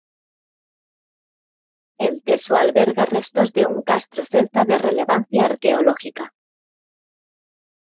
El teso alberga restos de un castro celta de relevancia arqueológica.